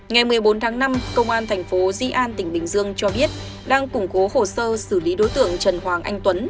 ngày một mươi bốn tháng năm công an thành phố di an tỉnh bình dương cho biết đang củng cố hồ sơ xử lý đối tượng trần hoàng anh tuấn